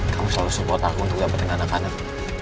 kamu selalu support aku untuk dapatin anak anak